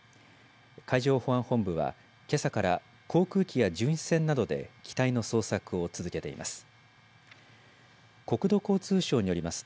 海上保安本部はけさから、航空機や巡視船などで機体の捜索を続けています。